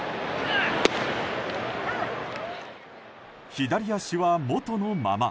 左足は、もとのまま。